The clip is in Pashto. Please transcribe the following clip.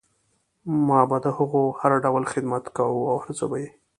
ما به د هغو هر ډول خدمت کوه او هر څه به یې